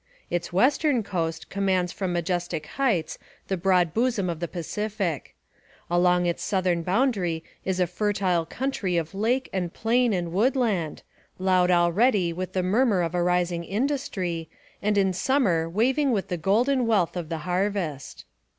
Its western coast commands from majestic heights the broad bosom of the Pacific. Along its southern boundary is a fertile country of lake and plain and woodland, loud already with the murmur of a rising industry, and in summer waving with the golden wealth of the harvest.